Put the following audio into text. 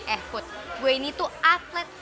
eh food gue ini tuh atlet